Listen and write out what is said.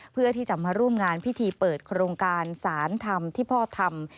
เพื่อที่จะมาร่วมงานพิธีเปิดโครงการสารธรรมที่พ่อทำ